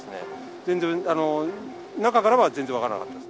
全然、中からは全然分からなかったです。